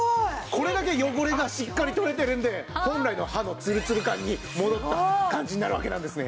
これだけ汚れがしっかり取れてるので本来の歯のツルツル感に戻った感じになるわけなんですね。